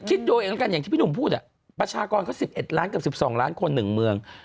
คิดดูเองแล้วกันอย่างที่พี่หนุ่มพูดประชากรเขา๑๑ล้านกับ๑๒ล้านคนหนึ่งเมือง